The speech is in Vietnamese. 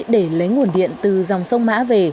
để lấy nguồn điện từ dòng sông mã về